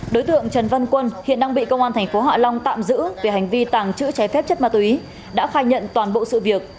đối tượng trần văn quân hiện đang bị công an tp hạ long tạm giữ về hành vi tàng trữ trái phép chất ma túy đã khai nhận toàn bộ sự việc